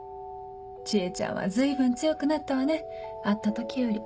知恵ちゃんは随分強くなったわね会った時より。